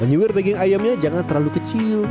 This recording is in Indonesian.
menyugur daging ayamnya jangan terlalu kecil